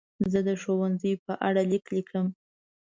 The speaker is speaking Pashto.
زه د ښوونځي په اړه لیک لیکم.